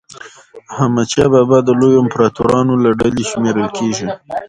حمدشاه بابا د لویو امپراطورانو له ډلي شمېرل کېږي.